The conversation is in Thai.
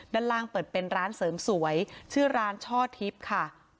ด้านล่างเปิดเป็นร้านเสริมสวยชื่อร้านช่อทิพย์ค่ะ